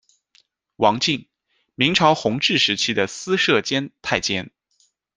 王敬，明朝弘治时期的司设监太监。